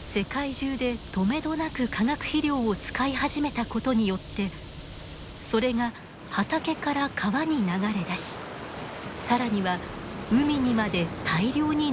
世界中でとめどなく化学肥料を使い始めたことによってそれが畑から川に流れ出し更には海にまで大量に流れ込むことに。